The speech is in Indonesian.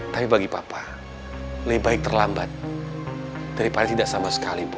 tapi bagi papa lebih baik terlambat daripada tidak sama sekali